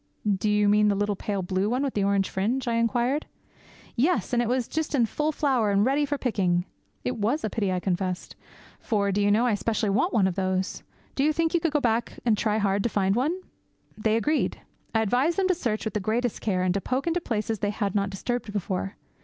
'Do you mean the little pale blue one, with the orange fringe?' I inquired. 'Yes, and it was just in full flower, and ready for picking.' 'It was a pity,' I confessed, 'for, do you know I specially want one of those. Do you think you could go back and try hard to find one?' They agreed. I advised them to search with the greatest care, and to poke into places that they had not disturbed before.